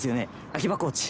秋場コーチ。